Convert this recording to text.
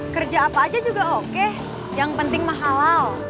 kerja apa aja juga oke yang penting mah halal